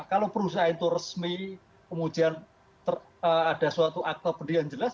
kalau perusahaan itu resmi kemudian ada suatu akte pendidikan jelas